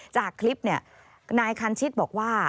จากคลิปนายคันชิตบอกว่า